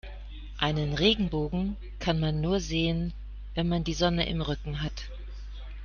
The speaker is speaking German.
Einen Regenbogen kann man nur sehen, wenn man die Sonne im Rücken hat.